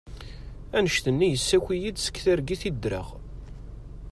Anect-nni yessaki-yi-d seg targit i d-ddreɣ.